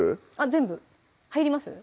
全部入ります？